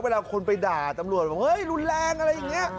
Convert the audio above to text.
เวลาคนไปด่าระตำรวจว่าเห้ยดูแรงอะไรอย่างเง่ย